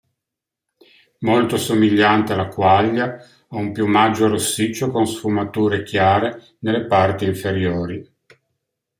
Molto somigliante alla quaglia, ha un piumaggio rossiccio con sfumature chiare nelle parti inferiori.